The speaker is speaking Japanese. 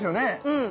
うん。